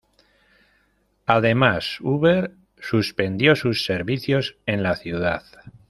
Además, Uber suspendió sus servicios en la ciudad.